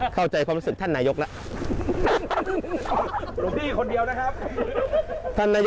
เข้าใจความรู้สึกท่านนายกแล้ว